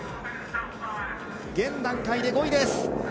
現段階で５位です。